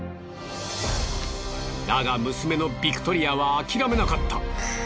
だが娘のビクトリアは諦めなかった。